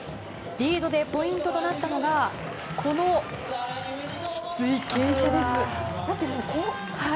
リードでポイントとなったのがこのきつい傾斜です。